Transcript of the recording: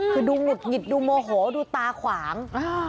คือดูหงุดหงิดดูโมโหดูตาขวาง